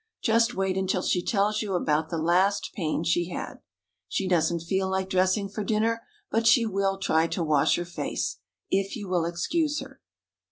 Just wait until she tells you about the last pain she had. She doesn't feel like dressing for dinner, but she will try to wash her face, if you will excuse her!